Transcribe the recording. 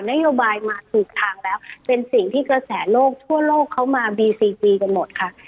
นโยบายมาถูกทางแล้วเป็นสิ่งที่กระแสโลกทั่วโลกเขามาบีซีฟรีกันหมดค่ะ